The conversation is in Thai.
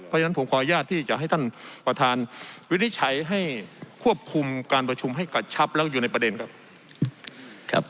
เพราะฉะนั้นผมขออนุญาตที่จะให้ท่านประธาน